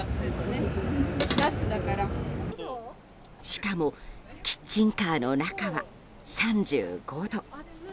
しかもキッチンカーの中は３５度。